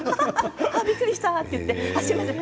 ああ、びっくりしたと言ってすみません